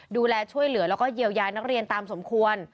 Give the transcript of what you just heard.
ดูแลช่วยเหลือแล้วก็เยียวยานักเรียนตามสมควร